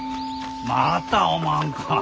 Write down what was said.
またおまんか。